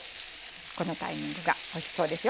このタイミングがおいしそうでしょ。